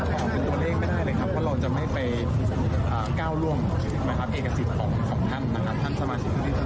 เหมือนกันพูดบุคุยอย่างไรบ้างล่ะเรื่องของเดินหน้าเจรจาเหรอครับ